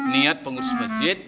niat pengurus masjid